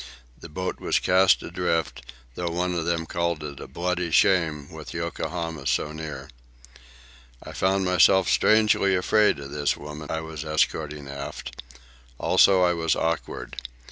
The boat was cast adrift, though one of them called it a "bloody shame" with Yokohama so near. I found myself strangely afraid of this woman I was escorting aft. Also I was awkward.